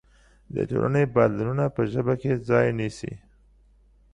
د ټولنې بدلونونه په ژبه کې ځای نيسي.